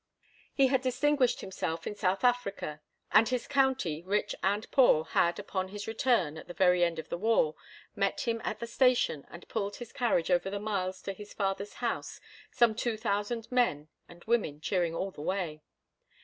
He had distinguished himself in South Africa, and his county, rich and poor, had, upon his return, at the very end of the war, met him at the station and pulled his carriage over the miles to his father's house, some two thousand men and women cheering all the way.